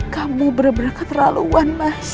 kamu benar benar keterlaluan mas